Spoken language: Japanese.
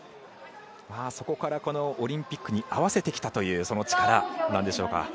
そこからオリンピックに合わせてきた力でしょうか。